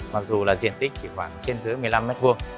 mặc dù là diện tích chỉ khoảng trên dưới một mươi năm m hai